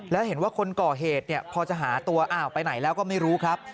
แล้วเห็นว่าคนก่อเหตุพอจะหาตัวอ้าวไปไหนแล้วก็ไม่รู้ครับ